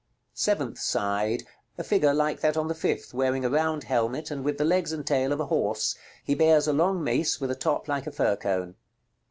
Seventh side. A figure like that on the fifth, wearing a round helmet, and with the legs and tail of a horse. He bears a long mace with a top like a fir cone.